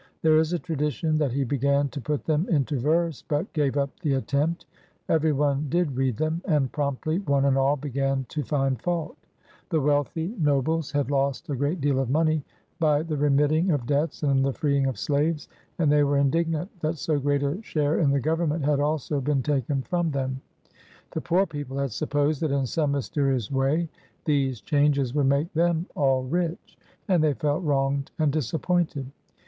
There is a tradition that he began to put them into verse, but gave up the attempt. Every one did read them; and promptly one and all began to find fault. The wealthy 58 » SOLON, WHO MADE LAWS FOR ATHENIANS nobles had lost a great deal of money by the remitting of debts and the freeing of slaves ; and they were indig nant that so great a share in the government had also been taken from them. The poor people had supposed that in some mysterious way these changes would make them all rich; and they felt wronged and disappointed.